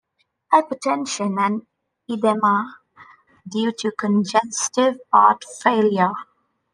Hypertension and edema due to congestive heart failure.